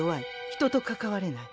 人と関われない。